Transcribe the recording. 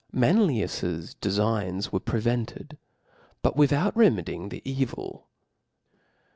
Manlius's defigns were Cainiilus. prevented, but without remedying the evil.